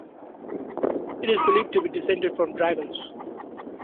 It is believed to be descended from dragons.